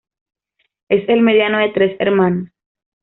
Es el mediano de tres hermanos.